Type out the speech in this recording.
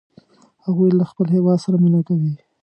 هغوی له خپل هیواد سره مینه کوي